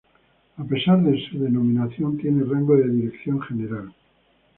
A pesar de su denominación, tiene rango de dirección general.